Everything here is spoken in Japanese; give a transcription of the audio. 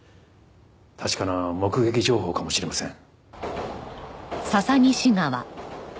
確かな目撃情報かもしれません。